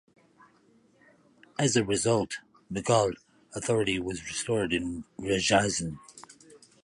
As a result, Mughal authority was restored in Rajasthan.